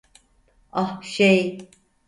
Ah, şey…